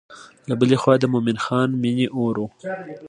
له بلې خوا د مومن خان مینې اور و.